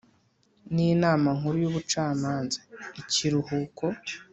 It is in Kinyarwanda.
n Inama Nkuru y Ubucamanza Ikiruhuko